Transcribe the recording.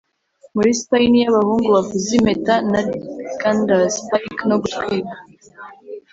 muri spinney y'abahungu bavuza impeta na ganders, spike no gutwika,